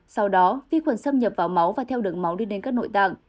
sau đó vi khuẩn xâm nhập vào máu và theo đường máu đi đến các nội tạng